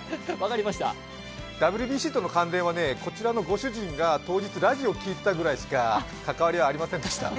ＷＢＣとの関連はこちらのご主人が当日ラジオを聞いていたくらいしか関わりがありませんでした。